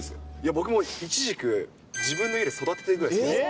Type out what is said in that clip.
僕もイチジク、自分の家で育ててるぐらい好きです。